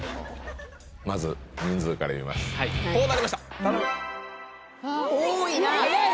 まず人数から言いますこうなりました多いなえぇ⁉